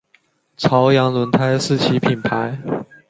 朝阳轮胎是其品牌。